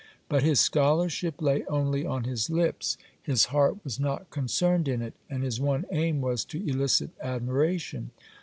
(98) But his scholarship lay only on his lips, his heart was not concerned in it, and his one aim was to elicit admiration.